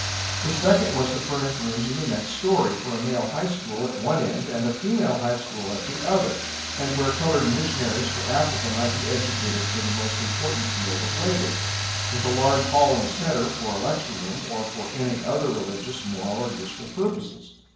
The second was, to furnish rooms in the next story, for a male high school at one end, and a female high school at the other, and where colored missionaries for Africa might be educated for that most important field of labor; with a large hall in the centre, for a lecture room, or for any other religious, moral, or useful purposes.